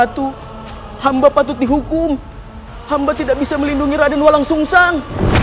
hamba patut dihukum hamba tidak bisa melindungi raden walang sungsang